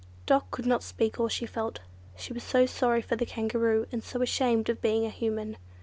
Dot could not speak all she felt. She was so sorry for the Kangaroo, and so ashamed of being a Human.